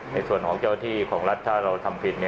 ในส่วนของเจ้าที่ของรัฐถ้าเราทำผิด